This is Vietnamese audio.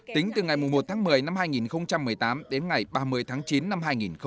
tính từ ngày một tháng một mươi năm hai nghìn một mươi tám đến ngày ba mươi tháng chín năm hai nghìn một mươi chín